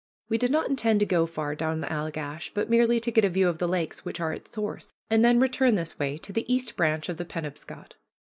We did not intend to go far down the Allegash, but merely to get a view of the lakes which are its source, and then return this way to the East Branch of the Penobscot.